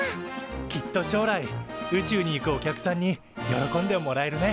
きっと将来宇宙に行くお客さんに喜んでもらえるね。